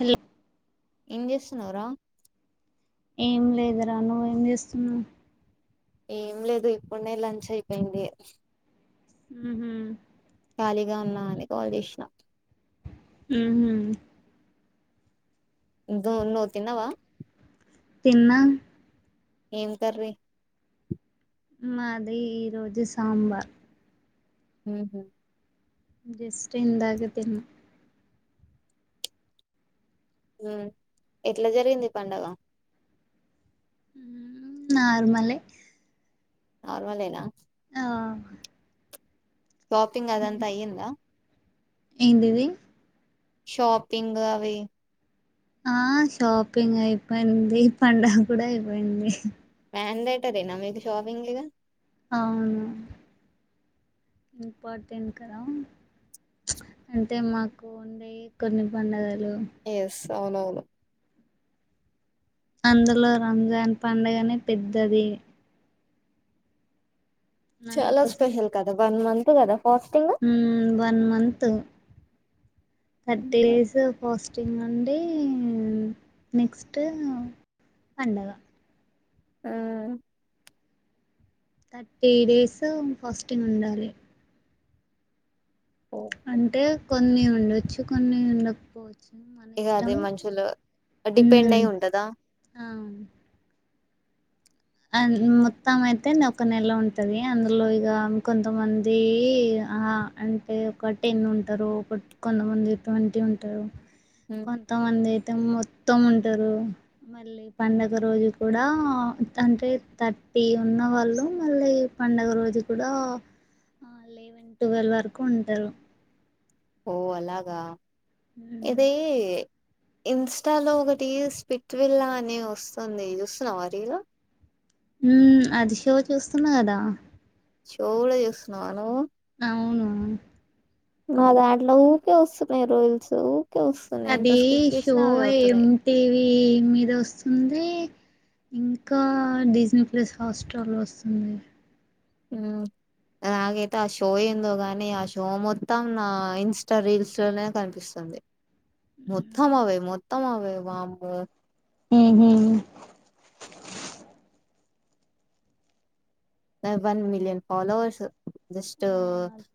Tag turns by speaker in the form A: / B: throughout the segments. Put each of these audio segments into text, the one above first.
A: Hello
B: ఏం చేస్తున్నావ్ రా
A: ఏం లేదురా నువ్వ ఏం చేస్తున్నావు
B: ఏం లేదు ఇప్పుడనే లంచ్ అయిపోయింది
A: ఉ
B: ఖాళీగా ఉన్నా అని కాల్ చేసినా
A: ఆ
B: ఇంకా నువ్ తిన్నావా
A: తిన్నా
B: ఏం కర్రీ
A: మాది ఈ రోజు సాంబార్
B: హ్మ్మ్
A: జస్ట్ ఇందాకే తిన్న
B: హ ఎట్లా జరిగింది పండుగ
A: నార్మలే
B: నార్మల్ యేన
A: ఆ
B: షాపింగ్ అదంతా అయ్యిందా
A: ఏ దదీ
B: షాపింగ్ అవే
A: ఆ షాపింగ్ అయిపోయింది పండుగ కూడా అయిపోయింది
B: ప్యాన్ లైటరే నా మీది షాపింగ్ ఇగా
A: అవును ఇంపార్టెంట్ కదా అంటే మాకు ఉండే కొన్ని పండుగలు
B: ఎస్ అవునవును
A: అందులో రంజాన్ పండగనే పెద్దది
B: చాలా స్పెషల్ కదా వన్ మంత్ కదా ఫాస్టింగ్
A: హ్మ్మ్ వన్ మంత్ థర్టీ
B: ఉమ్.
A: డేస్ పోస్ హ టింగ్ అండి నెక్స్ట్ పండగ
B: ఆ
A: థర్టీ డేస్ ఫాస్టింగ్ ఉండాలి
B: ఓహో.
A: అంటే కొన్ని ఉండొచ్చు కొన్ని ఉండకపోవచ్చు మన
B: ఇక అది
A: ఇష్టం
B: మనుషులు డిపెండ్
A: ఉమ్
B: అయి ఉంటదా
A: అ మొత్తం అయితే ఒక నెల ఉంటది అందులో ఇక కొంతమంది అంటే ఒక టెన్ ఉంటారు ఒక కొంతమంది ట్వంటీ ఉంటారు
B: ఉమ్.
A: కొంతమంది అయితే మొ మొత్తం ఉంటారు మళ్ళీ పండగ రోజు కూడా అంటే థర్టీ ఉన్నవాళ్ళు మళ్ళీ పడుగ రోజు కూడా లెవెన్ ట్వెల్వ్ వరకు ఉంటారు
B: ఓ అలాగా ఇదే ఇన్స్టాలో ఒక రీల్ స్పిట్విల్లా అని వస్తుంది చూస్తున్నాం రీల్
A: ఉ అది షో చూస్తున్నా కదా
B: షో కూడా చూస్తున్నావా నువ్వు
A: అవునువును
B: నా దాంట్లో ఊరికే వస్తున్నాయి రీల్స్ వస్తున్నాయి ఎంత
A: అదే
B: స్కిప్
A: షో
B: చేసినా అవి అవుతున్నాయి
A: ఎమ్ంటిటివి మీద వస్తుంది ఇంకా డిజనీ ప్లేస్ హాస్టల్ వస్తుంది
B: నాగైతే ఆ షో ఏందో గాని ఆ షో మొత్తం నా ఇన్స్టా రీల్స్ లోనే కనిపిస్తుంది మత్తం అ మ మొత్తం అవే వామ్మో
A: హ హ
B: వన్ మిలియన్ ఫాలోవర్స్ జస్ట్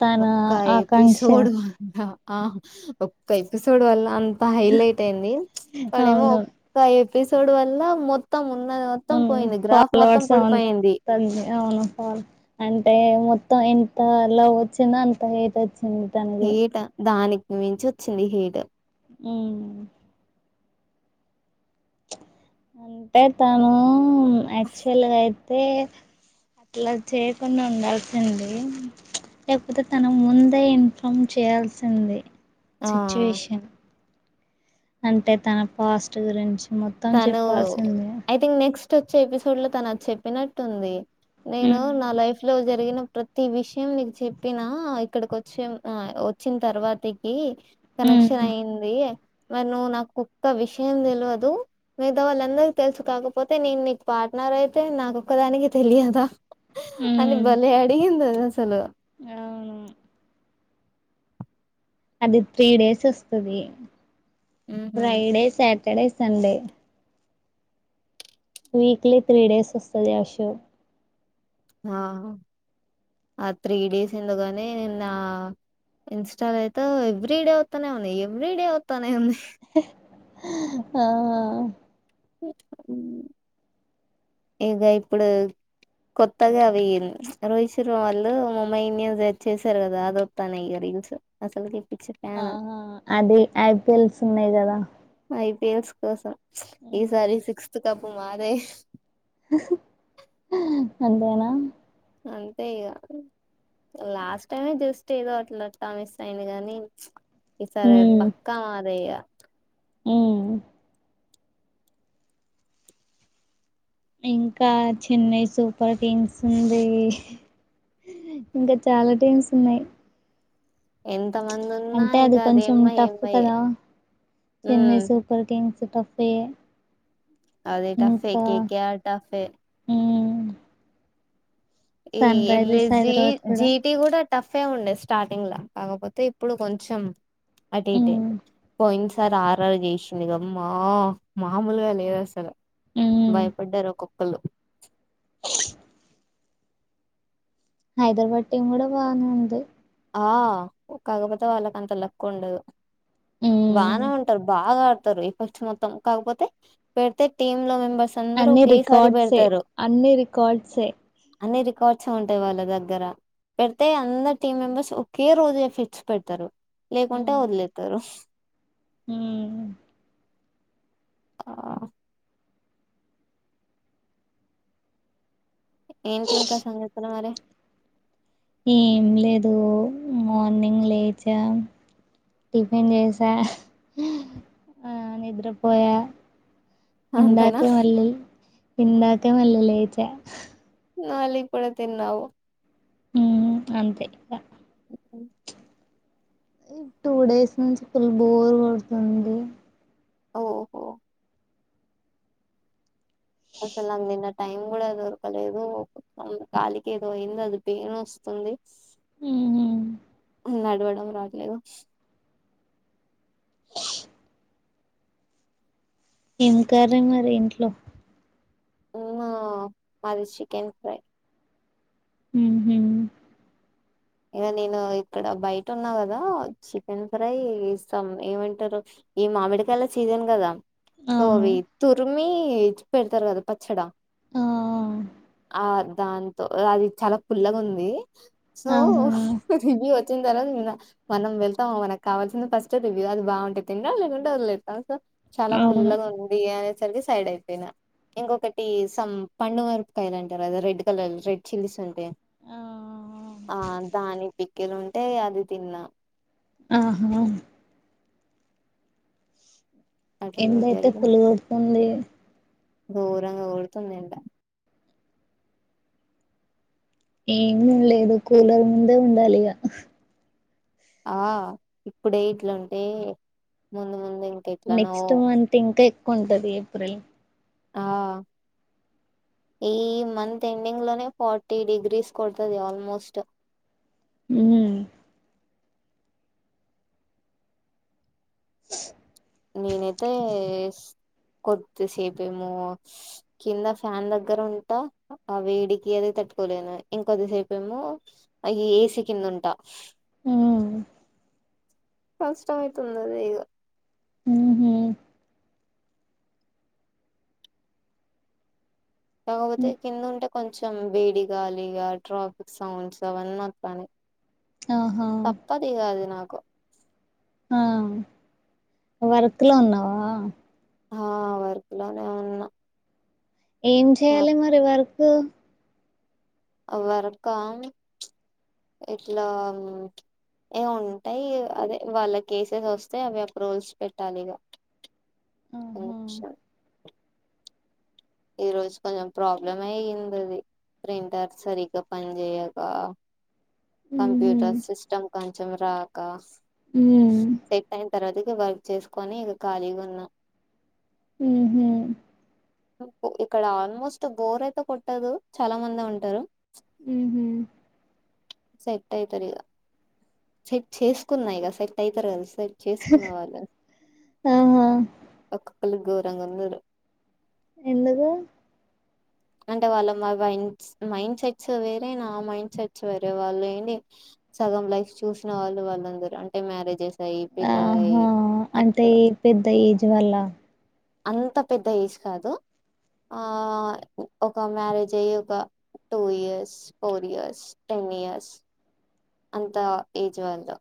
A: తన
B: ఒక్క
A: ఆకాంక్ష
B: ఎపిసోడ్ అంద ఆ ఒక్క ఎపిసోడ్ వల్ల అ బైల్ైట్ అయింది ఇక్కడేమో
A: అవును
B: ఒక్క ఎపిసోడ్ వాల్ల మొత్తం ఉన్నది మొత్తం పోయింది గ్రాఫ్ మొత్తం
A: ఫాలోవర్స్
B: పడిపోయింది
A: అంతంది అవును అంటే మొత్తం ఎంత లో వచ్చిందో అంత వచ్చింది తనది
B: ఏటా దానికి ను మించు వచ్చింది హీట్ర్
A: అవు అంటే తను యాక్చువల్గా అయితే అట్లా చేయకుండా ఉండాల్సింది లేకపోతే తన ముందే ఇన్ఫామ్ చేయాల్సింది
B: ఆ
A: సిచువేషన్ అంటే తన పాస్ట్ గురించి మొత్తం
B: తను
A: చెప్పాల్సిందే
B: ఐథింక్ నెక్స్ట్ వచ్చే ఎపిసోడ్ లో తన అది చెప్పినట్టుంది నేను
A: ఉమ్
B: నా లైఫ్ లో జ జరిగిన ప్రతి విషయం నీకు చెప్పినా ఇక్కడికి వచ్చే వచ్చిన తర్వాతకి కనెక్షన్
A: ఉమ్
B: అయి్యంది మన్న నా కుక్క విషయం తెలియదు మిగతా వాళ్ళందరి తెలుసు కాకపోతే నేను నీకు పార్ట్నార్ అయితే నాకొక్క దానికి తెలియదా అ
A: ఉమ్
B: భలే అడిగింద సలు
A: అవును అది త్రీ డేస్ వస్తుది
B: ఉహు
A: Friday Sat Saturday Sunday weekly three days వస్తుంది అషో
B: ఆ ఆ త్రీ డేస్ ఎందు కాని నిన్న నా ఇన్స్టాల్ అయితే ఎవ్రీ డే అవుతానే ఉంది ఎవ్రీ డే అవుతానే ఉంది
A: ఆ
B: ఇక ఇప్పుడు కొత్తగా అవింది రోహిత్ శర్మ వాళ్ళు ముంబై ఇండియన్స్ వచ్చసారు కదా అదిొస్తాను ఇక రీల్స్ అసలు
A: ఆ అది ఐపీఎల్స్ ఉన్నాయి కదా
B: ఐపిఎల్స్ కోసం ఈసారి సిక్స్త్ కప్పు మాదే
A: అంతేనా
B: అంతే ఇక లాస్ట్ టైమే చూస్తే ఏదో అట్లాస్తా మ ఇస్ అయింది గానీ ఈ సరే పక్కా మాదయి
A: హ్మ్మ్ ఇంకా చెన్నై సూపర్ కింగ్స్ ఉంది ఇంకా చాలా టీమ్స్ ఉన్నాయి
B: ఎంత మంది ఉన్నా
A: అంటే
B: ఇక
A: అది కొంచెం
B: అదేమ్మా
A: టఫ్
B: ఏమ్మాయే
A: కదా చెన్నై
B: ఉమ్
A: సూపర్ కింగ్స్ తఫే
B: అదే టఫే కేక టఫే
A: ఉమ్
B: ఈ
A: sun
B: L
A: Risers
B: S G
A: Hyderabad కూడా
B: జిటి కూడా టఫ్ అఫే ఉండేది స్టార్టింగ్ కాకపోతే ఇప్పుడు కొంచెం అటు ఇట
A: ఉమ్
B: పోయినసారి ఆర్ర్ చేసిందిగామ్మా మామూలుగా లేదు అసలు
A: ఉమ్
B: భయపడ్డారు ఒక్కొక్కళు
A: హైదరాబాద్ టీం కూడా బానే ఉంటుంది
B: ఆ కాకపోతే వాళ్ళకి అంత లక్క ఉండదు
A: ఉమ్
B: బాగా ఉంటారు బాగా ఆడతారు ఈ ఫస్ట్ మొత్తం కాకపోతే పెడితే టీమ్ లో మెంబెర్స్
A: అన్ని రికార్డ్సే అన్ని రికార్డ్సే
B: అన్ని రికార్డ్స్ ఉంటాయి వాళ్ళ దగ్గర పెడితే అందరు టీమ్ మెంబర్స్ ఒకే రోజు ఫిక్స్ పెడతారు లేకుంటే వదిలేతారు
A: హ్మ్మ్
B: ఆ ఏంటి ఇంకా సంగతులు మరి
A: ఏం లేదు మార్నింగ్ లేచా టిఫిన్ చేసా నిద్రపోయా
B: అంతేనా
A: ఇందాకే మళ్ళీ ఇందాకే మల్లేచ
B: న అలీగ పడుతేేన్ నావు
A: ఉ అంతే ఈ టూ డేస్ నుంచి ఫుల్ బోర్ కొడుతుంది
B: ఓహో అసలు అది నిన్న టైం కూడా దొరకలేదు కాలికి ఏదో అయిందిో అది పెయిన్ వస్తుంది
A: హ్మ్మ్
B: నడవడం రాట్లేదు
A: ఏం కర్రీ మరి ఇంట్లో
B: మాది చికెన్ ఫ్రై
A: హ్మ్మ్
B: ఇక నేను ఇక్కడ బయట ఉన్నా కదా చికెన్ ఫ్రై ఇస్తాం ఏమంటారు ఈ మామిడికాయల సీజెన్ కదా
A: అవును
B: సోవిత్ తురిమి పెడతారు కదా పచ్చడా
A: ఆ
B: ఆ దాంతో అది చాలా పుల్లగా ఉంది సో
A: ఆహా
B: త వచ్చ వచ్చిన తర్వాత మనం వెళ్తాం మనకు కావాల్సింది ఫస్ట్ అది అది బాగుంటేయి తిం లేకుంటే వదిలేతాం సో చాలా
A: అవును
B: పుల్లగా ఉంది అనే రికి సైడ్ అయిపోయిన ఇంకొకటి స పంన్నడు వరకు కయలు అంటారు అద రెడ్ కలర్ రెడ్ చిల్లీస్ ఉంటాయి
A: ఆ
B: ఆ దాని పికిెలు ఉంటేయి అది తిన్నా
A: ఆహా
B: అట్లా
A: ఎంతైతే పులిగ కొడుతుంది
B: ఘోరంంగోరుతన్నంట
A: ఏమి ఉండలేదు కూలర్ ముందే ఉండాలిగా
B: ఆ ఇప్పుడే ఇట్లుంటే ముందు ముందు ఇంక ఎట్లనో
A: నెక్స్ట్ అంత ఇంకా కొంటది ఏప్రిల్
B: ఆ ఈ మంత్ ఎండింగ్ లోనే ఫార్టీ డిగ్రీస్ కొడుతుది ఆల్మోస్ట్
A: హ్మ్మ్
B: నేనైతే కొద్దిసేపేమో కింద ఫ్యాన్ దగ్గర ఉంటా ఆ వేడికి అది తట్టుకోలేను ఇంకొద్దిసేపేమో అవి ఏసీ కింద ఉంటా
A: హ్మ్మ్
B: కష్టమ తందగా
A: హ్మ్మ్
B: రాతే కింద ఉంట కొంచెం వేడి గాలిగా ట్రాఫిక్ సౌండ్స్ అవన్నీ వొత్తన్నై.
A: ఆహా
B: తప్పదిగ అది నాక్
A: ఆ వర్క్ లో ఉన్నావా?
B: ఆ వర్క్ లోనే ఉన్నా.
A: ఏం చేయాలి మరి వర్ బ
B: వర్ కా ఇట్లా ఏ ఉంటాయి అదే వాళ్ళ కేసస్ వస్తె అవి అప్రూవల్స్ పెట్టాలిగ.
A: ఆహా
B: అచ్చా ఈ రోజు కొంచెం ప్రాబ్లమే అయిందది. ప్రింటర్ సరిగ్గా పని చేయక
A: ఉహు
B: కంప్యూటర్ సిస్టమ్ కన్ చెమరాకా
A: ఊ
B: తర్వాత ఇగ వర్క్ చేసుకొని ఇగ ఖాళీగున్నా.
A: ఉహు
B: ఇక్కడ ఆల్మోస్ట్ బోర్ అయితె కొట్టదు, చాలా మందే ఉంటారు.
A: మ్మ్ హు
B: సట్ అయితదిగ సెట్ చేసుకున్న ఇగ సెట్ అయితారు కాదు. సెట్ చేసుకున్న వాళ్ళు
A: ఆహా
B: ఒక మల్లి గోరంగుందురు.
A: ఎందుకు
B: అంటె వాళ్ళ మా వైండ్స్ మైండ్ సెట్స్ వేరె నా మైండ్ సెట్స్ వేరె, వాళ్ళు ఏంది సగం లైఫ్ చూసిన వాళ్ళు వాళ్ళందరూ అంటె మ్యారేజెస్ ఇగ ఈ పిల్లలయి
A: ఆహా
B: అక్కడ
A: జ్ వల్ల.
B: అంత పెద్ద ఏజ్ కాదు. ఆ ఒక మ్యారేజ్ అయ్యి ఒక two years, four years, ten years అంత ఏజ్ వాళ్ళు.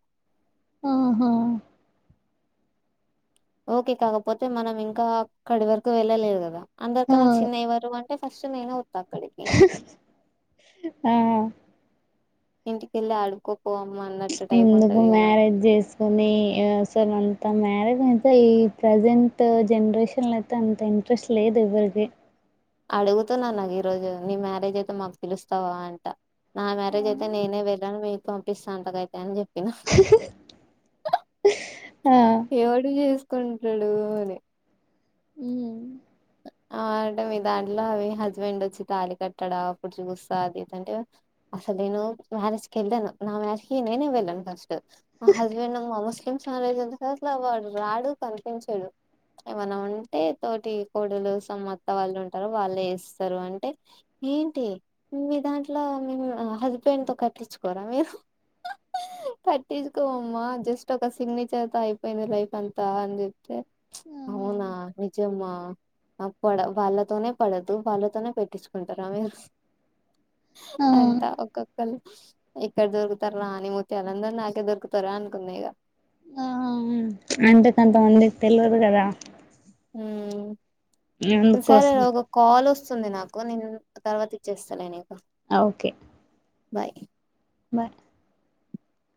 A: ఆహా
B: ఓకె కాకపోతె మనం ఇంకా అక్కడి వరకు వెళ్ళలేదు కదా!
A: ఆ
B: అందరికన్నా చిన్న ఎవరు అన్ టె ఫస్ట్ నేనె ఉ తాక్కడికి
A: ఆ
B: ఇంటికెల్లి ఆడుకో
A: ఎందుకు మ్యారేజ్ చేసుకొని అసలు అంత మ్యారేజ్ నె అయితె ఈ ప్రజెంట్ జనరేషన్లొ అయితె అంత ఇంట్రెస్ట్ లేదు ఎవ్వరిది.
B: అడుగుతున్నా నాకు ఈ రోజు నీ మ్యారేజ్ అయితె మాకు పిలుస్తావా అంట నా మ్యారేజ్ అయితే నేనె వెర్ రన్ మీక్ పంపిస్తా అంతగా ఐతే అని చెప్ ఇనహ్
A: ఆ
B: ఎవడు చేస్ కుంటాడు అని
A: హ్మ్మ్
B: అంటే మీ దాంట్లో అవి హస్బెండ్ వచ్చి తాాలి కట్టాడా అప్పుడు చూస్తా అదిదంటే అసలు నేను మ్యారేజ్ కి వెళ్ళాను నా మ్యారేజ్ కి న నను వెళ్ళాను ఫస్ట్ ఆ హస్బెండ్ ముస్లిం సమారేజ్ అ కదా అసలు వాడు రాడు కనిపించాడు ఏమన్నా ఉంటే తోటి కోడలు సమ్మత్త వాళ్ళు ఉంటారు వాళ్ళే వస్తారు అంటే ఏంటి మీ దాంట్లో మేము హస్బెండ్ తో కట్టించుకోరా మీరు కట్టించుకోమ్మా జస్ట్ ఒక సిగ్నేచర్ త అయిపోయింది లైఫ్ అంతా అని చెప్తే అవునా నిజమ్మా ఆ పడ వాళ్ళతోనే పడదు వాళ్ళతోనే పెట్టించుకుంటారా మీరు
A: ఆ
B: అంతా ఒొక్కరు ఇక్కడ దొరుకుతారా రా అని మూర్తి వాళందర నాకే దొరుకుతారా అనుకున్నా ఇక
A: అంటేకంతమందికి తెలియదు కదా
B: హ సరే
A: అందుకోసం
B: ఒక కాల్ వస్తు వంది నాకు నేను తర్వాత ఇచ్చేస్తా నీకు
A: ఓకే
B: బాయ్
A: బయ